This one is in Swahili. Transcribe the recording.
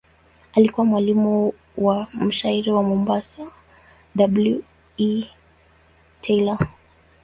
Alikuwa mwalimu wa mshairi wa Mombasa W. E. Taylor.